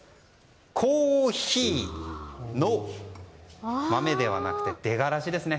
コーヒーの豆ではなくて出がらしですね。